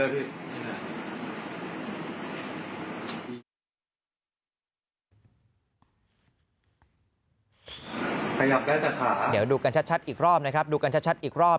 เดี๋ยวดูกันชัดอีกรอบนะครับดูกันชัดอีกรอบ